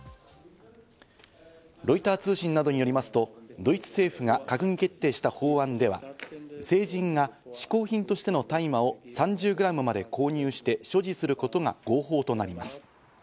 ロイター通信などによりますと、ドイツ政府が閣議決定した法案では、成人が嗜好品としての大麻を３０グラムまで購入して所持することが合法となります。